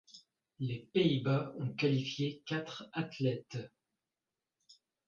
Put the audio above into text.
Les Pays-Bas ont qualifié quatre athlètes.